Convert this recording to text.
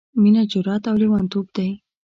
— مينه جرات او لېوانتوب دی...